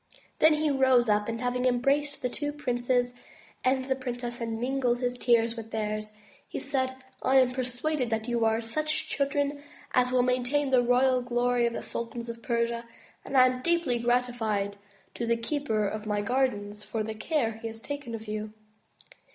Then he rose up, and having embraced the two princes and the 17 MY BOOK HOUSE princess and mingled his tears with theirs, he said: "I am per suaded you are such children as will maintain the royal glory of the Sultans of Persia, and am deeply grateful to the keeper of my gardens for the care he has taken of you.''